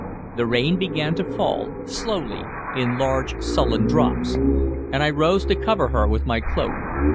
The rain began to fall, slowly, in large sullen drops, and I rose to cover her with my cloak.